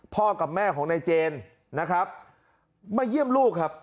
กับแม่ของนายเจนนะครับมาเยี่ยมลูกครับ